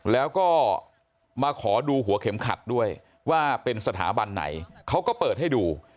แล้วก็มาขอดูหัวเข็มขัดด้วยว่าเป็นสถาบันไหนเขาก็เปิดให้ดู